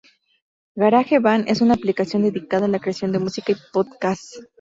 GarageBand es una aplicación dedicada a la creación de música y Podcast.